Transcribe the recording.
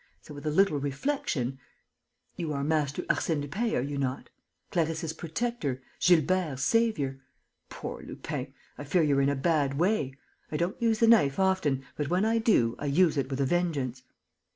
So, with a little reflection ... you are Master Arsène Lupin, are you not? Clarisse's protector, Gilbert's saviour.... Poor Lupin, I fear you're in a bad way.... I don't use the knife often; but, when I do, I use it with a vengeance."